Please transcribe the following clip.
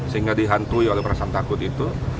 sehingga dihantui oleh perasaan takut itu